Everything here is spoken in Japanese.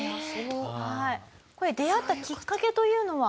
これ出会ったきっかけというのは？